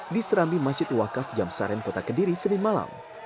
di serami masjid wakaf jam saren kota kediri senin malam